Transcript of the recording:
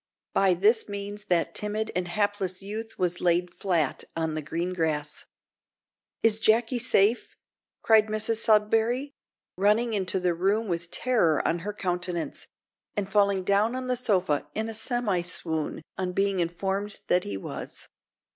By this means that timid and hapless youth was laid flat on the green grass. "Is Jacky safe?" cried Mrs Sudberry, running into the room with terror on her countenance, and falling down on the sofa in a semi swoon on being informed that he was.